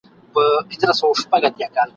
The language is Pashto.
وایی تم سه خاطرې دي راته وایی ..